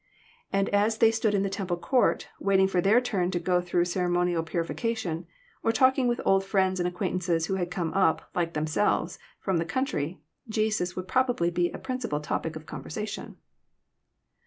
And as they stood in the temple court, waiting for their turn to go through ceremonial purification, or talking with old friends and acquaintances who had come up, like them selves, from the country, Jesus would probably be a principal topic of conversation.